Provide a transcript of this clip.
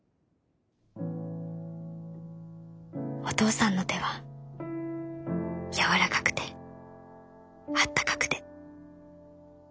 お父さんの手は柔らかくてあったかくて。